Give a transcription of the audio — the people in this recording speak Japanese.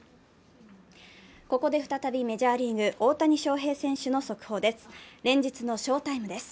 ここで再び、メジャーリーグ、大谷翔平選手の速報です。